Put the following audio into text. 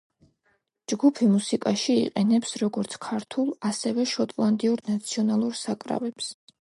ჯგუფი მუსიკაში იყენებს როგორც ქართულ ასევე შოტლანდიურ ნაციონალურ საკრავებს.